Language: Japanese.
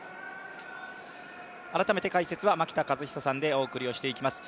改めて解説は牧田和久さんでお送りしてまいります。